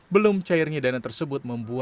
belum cairnya dana tersebut